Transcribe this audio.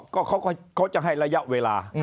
ก็เขาจะให้ระยะเวลา